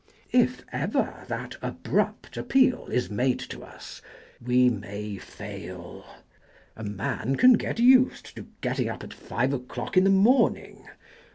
If ever that abrupt appeal is made to us we may fail. A man can get used to getting up at five o'clock in the morning.